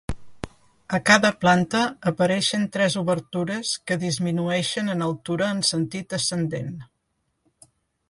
A cada planta apareixen tres obertures que disminueixen en altura en sentit ascendent.